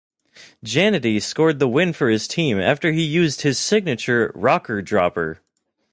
Jannetty scored the win for his team after he used his signature Rocker Dropper.